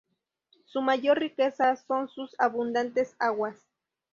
Su mayor riqueza son sus abundantes aguas.